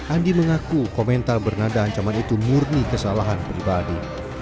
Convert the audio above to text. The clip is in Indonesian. andi mengaku komentar bernada ancaman itu murni kesalahan pribadi